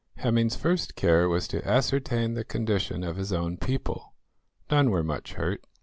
Hemming's first care was to ascertain the condition of his own people. None were much hurt.